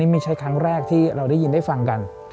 ไม่ใช่ครั้งแรกที่เราได้ยินได้ฟังกัน